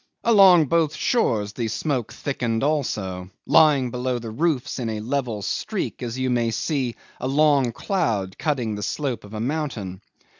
Along both shores the smoke thickened also, lying below the roofs in a level streak as you may see a long cloud cutting the slope of a mountain.